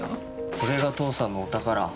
これが父さんのお宝。